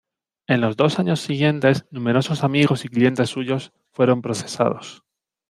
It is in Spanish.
En los dos años siguientes numerosos amigos y clientes suyos fueron procesados.